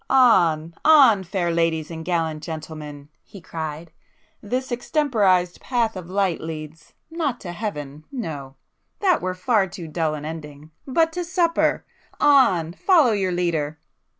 "On, on fair ladies and gallant gentlemen!" he cried—"This [p 282] extemporized path of light leads,—not to Heaven—no! that were far too dull an ending!—but to supper! On!—follow your leader!"